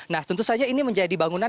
nah tentu saja ini menjadi bangunan